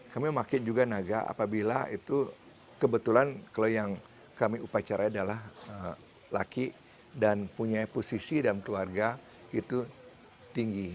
kami memakai juga naga apabila itu kebetulan kalau yang kami upacara adalah laki dan punya posisi dalam keluarga itu tinggi